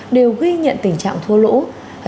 đều ghi nhận tình trạng thua lỗ